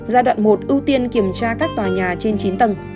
giai đoạn một ưu tiên kiểm tra các tòa nhà trên chín tầng